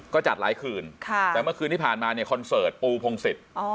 ก็จัดหลายคืนแต่เมื่อคืนที่ผ่านมาเนี่ยคอนเสิร์ตปูพงศิษย์